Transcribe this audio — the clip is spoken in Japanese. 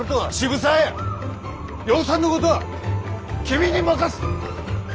養蚕のことは君に任す！